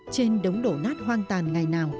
trên đống đổ nát hoang tàn ngày nào